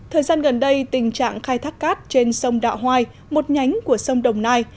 thời gian gần đây tình trạng khai thác cát trên sông đạo hoài một nhánh của sông đồng nai